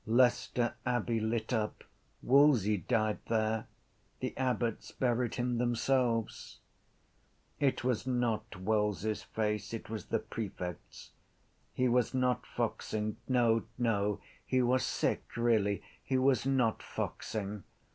Leicester Abbey lit up. Wolsey died there. The abbots buried him themselves. It was not Wells’s face, it was the prefect’s. He was not foxing. No, no: he was sick really. He was not foxing.